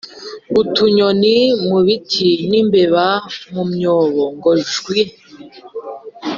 Utunyoni mu biti n'imbeba mu myobo ngo jwi